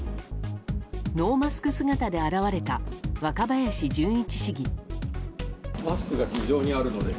ノーマスク姿で現れた若林純一市議。